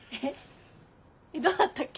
どうだったっけ。